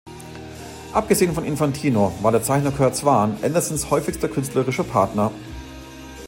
Abgesehen von Infantino war der Zeichner Curt Swan Andersons häufigster künstlerischer Partner.